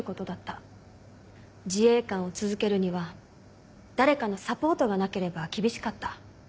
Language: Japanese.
自衛官を続けるには誰かのサポートがなければ厳しかった。